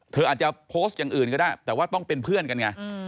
เธออาจจะโพสต์อย่างอื่นก็ได้แต่ว่าต้องเป็นเพื่อนกันไง